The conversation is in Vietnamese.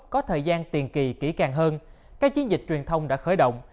có thời gian tiền kỳ kỹ càng hơn các chiến dịch truyền thông đã khởi động